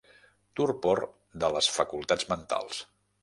Torpor de les facultats mentals.